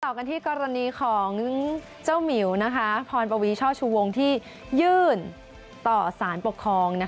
กันที่กรณีของเจ้าหมิวพรปวีช่อชูวงที่ยื่นต่อสารปกครอง